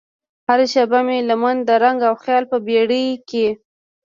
هره شیبه مې لمن د رنګ او خیال په بیړۍ کې